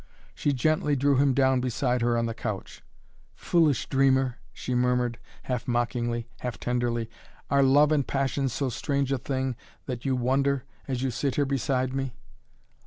She gently drew him down beside her on the couch. "Foolish dreamer!" she murmured, half mockingly, half tenderly. "Are love and passion so strange a thing that you wonder as you sit here beside me?"